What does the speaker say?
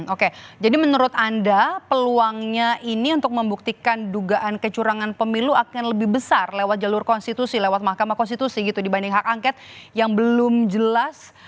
oke jadi menurut anda peluangnya ini untuk membuktikan dugaan kecurangan pemilu akan lebih besar lewat jalur konstitusi lewat mahkamah konstitusi gitu dibanding hak angket yang belum jelas